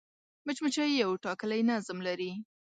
مچمچۍ یو ټاکلی نظم لري